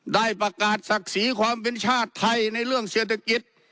ได้ประกาศศักดิ์ศรีความเป็นชาติไทยในเรื่องเศรษฐกิจ